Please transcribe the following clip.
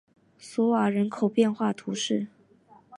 索瓦人口变化图示